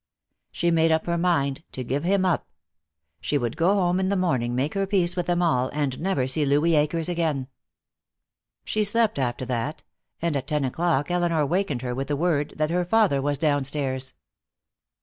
She made up her mind to give him up. She would go home in the morning, make her peace with them all, and never see Louis Akers again. She slept after that, and at ten o'clock Elinor wakened her with the word that her father was downstairs.